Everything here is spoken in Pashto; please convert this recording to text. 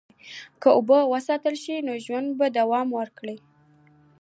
که اوبه وساتل شي، نو ژوند به دوام وکړي.